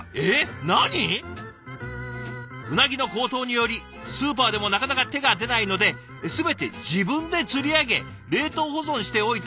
「うなぎの高騰によりスーパーでもなかなか手が出ないので全て自分で釣り上げ冷凍保存しておいた